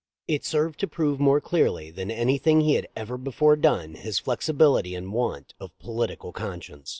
It served to prove more clearly than anything he had ever before done his flexibility and want of political conscience.